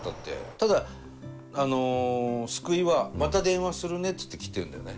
ただ救いはまた電話するねって言って切ってるんだよね。